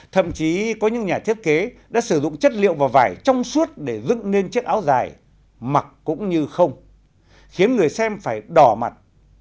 thậm chí có những nhà thiết kế đã sử dụng chất liệu và vải trong suốt để dựng nên chiếc áo dài mặc cũng như không khiến người xem phải đỏ mặt